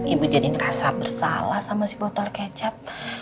ibu jadi ngerasa bersalah sama si botol kecap